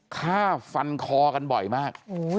ฆ่าฟันคอกันบ่อยมาก